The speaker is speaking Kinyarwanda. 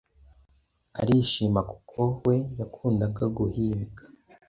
arishima kuko na we yakundaga guhiga